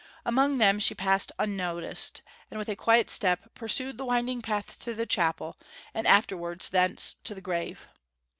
Among them she passed unnoticed, and with a quiet step pursued the winding path to the chapel, and afterwards thence to the grave.